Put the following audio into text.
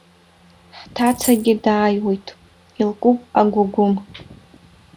Ҳҭацагьы дааиуеит, илкуп агәыгәым.